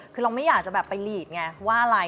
คือเราไม่อยากจะแบบไปหลีดไงว่าอะไร